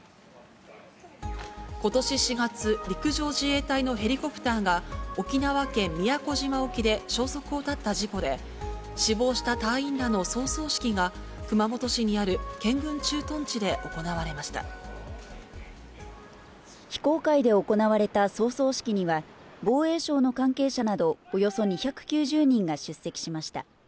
ことし４月、陸上自衛隊のヘリコプターが、沖縄県宮古島沖で消息を絶った事故で、死亡した隊員らの葬送式が、熊本市にある健軍駐屯地で行われ非公開で行われた葬送式には、防衛省の関係者など、およそ２９０人が出席しました。